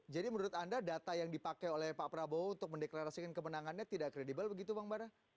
jadi menurut anda data yang dipakai oleh pak prabowo untuk mendeklarasikan kemenangannya tidak kredibel begitu bang bara